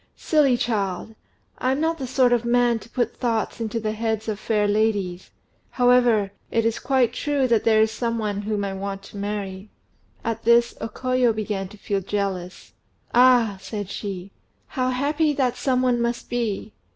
"Silly child! I'm not the sort of man to put thoughts into the heads of fair ladies. However, it is quite true that there is some one whom I want to marry." At this O Koyo began to feel jealous. "Ah!" said she, "how happy that some one must be!